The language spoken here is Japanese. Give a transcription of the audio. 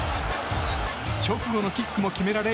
直後のキックも決められ